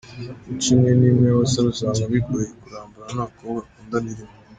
Imico imwe n’imwe y’abasore usanga bigoye kurambana n’abakobwa bakundana irimo:.